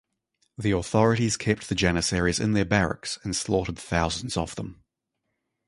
The authorities kept the Janissaries in their barracks and slaughtered thousands of them.